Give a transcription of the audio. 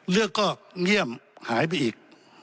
เรื่องก็เงียบหายไปอีก